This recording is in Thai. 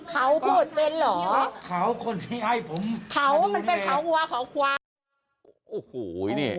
เขาพูดเป็นเหรอเขาคนที่ให้ผมเขามันเป็นเขาหัวเขาความ